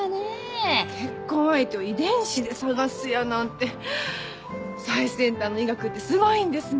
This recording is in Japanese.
結婚相手を遺伝子で探すやなんて最先端の医学ってすごいんですね。